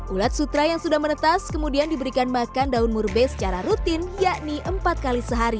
ulat sutra yang sudah menetas kemudian diberikan makan daun murbe secara rutin yakni empat kali sehari